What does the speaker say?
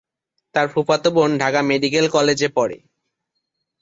তার ফুফাতো বোন ঢাকা মেডিকেল কলেজে পড়ে।